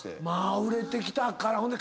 まあ売れてきたから。